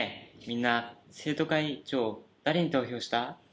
みんな生徒会長誰に投票した？